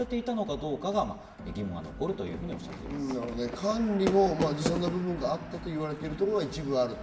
管理もずさんな部分があったと言われているところが一部あると。